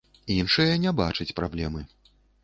Іншыя не бачаць праблемы.